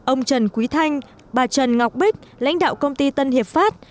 ông trần quý thanh bà trần ngọc bích lãnh đạo công ty tân hiệp pháp